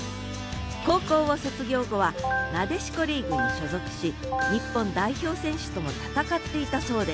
高校を卒業後はなでしこリーグに所属し日本代表選手とも戦っていたそうです。